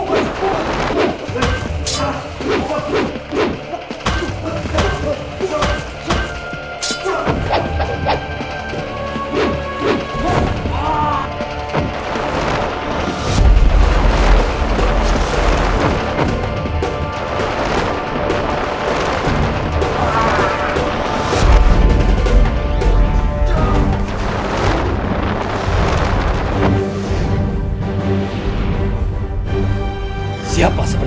kau akan dilepaskan